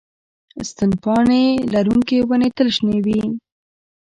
ستن پاڼې لرونکې ونې تل شنې وي